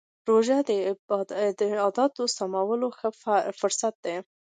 روژه د عادتونو سمولو ښه فرصت دی.